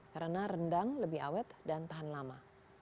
karena rendang lebih awet dan tahan lama